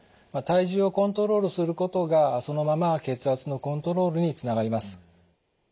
体重をコントロールすることがそのまま血圧のコントロールにつながります。